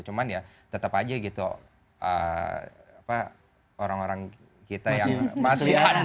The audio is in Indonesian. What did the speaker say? cuman ya tetap aja gitu orang orang kita yang masih ada aja gitu